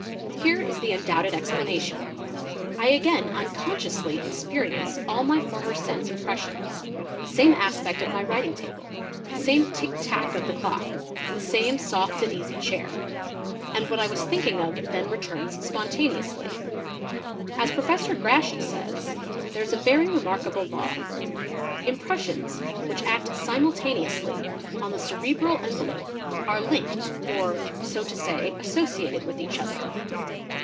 Here is the undoubted explanation; I again unconsciously experience all my former sense im pressions, the same aspect of my writing table, the same tick tack of the clock, the same soft and easy chair; and what I was thinking of then returns spontaneously. As Professor Grashey says: "there 1s a very remarkable law: impressions which act simultaneously on the cerebral envelope are linked or, so to say, associated with each other."